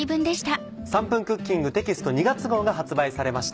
『３分クッキング』テキスト２月号が発売されました。